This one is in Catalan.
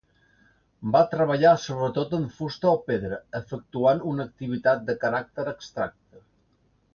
Va treballar sobretot en fusta o pedra; efectuant una activitat de caràcter abstracte.